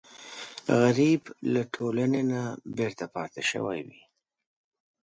غریب له ټولنې نه بېرته پاتې شوی وي